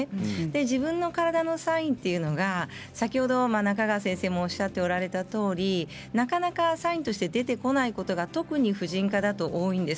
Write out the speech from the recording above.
自分の体のサインは先ほど中川先生もおっしゃっておられたとおりなかなかサインとして出てこないことが特に婦人科だと多いんです。